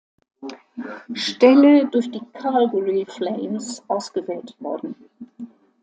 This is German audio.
Stelle durch die Calgary Flames ausgewählt worden.